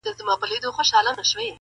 ته خبر یې د تودې خوني له خونده؟!٫